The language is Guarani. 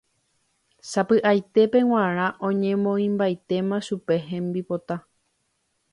Sapy'aitépe g̃uarã oñemoĩmbaitéma chupe hembipota.